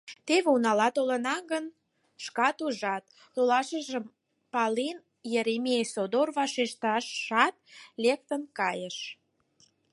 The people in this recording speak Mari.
— Теве унала толына гын, шкат ужат, — толшашыжым пален, Еремей содор вашештышат, лектын кайыш.